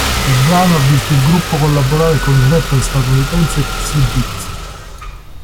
Il brano ha visto il gruppo collaborare con il rapper statunitense Xzibit.